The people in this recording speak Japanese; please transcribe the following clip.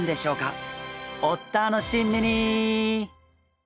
お楽しみに。